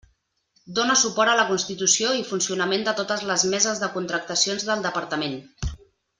Dóna suport a la constitució i el funcionament de totes les meses de contractacions del Departament.